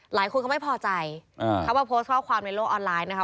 หลายคนก็ไม่พอใจเขามาโพสต์ข้อความในโลกออนไลน์นะคะ